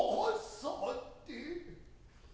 さて。